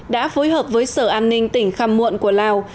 đã phối hợp với sở an ninh tỉnh khăm muộn của lào